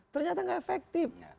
ternyata enggak efektif